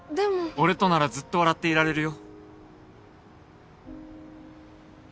俺とならずっと笑っていられるよ。